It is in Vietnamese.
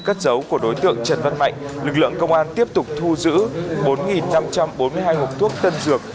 cất dấu của đối tượng trần văn mạnh lực lượng công an tiếp tục thu giữ bốn năm trăm bốn mươi hai hộp thuốc tân dược